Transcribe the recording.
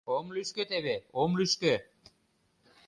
Ом лӱшкӧ теве, ом лӱшкӧ!